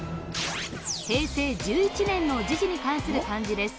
平成１１年の時事に関する漢字です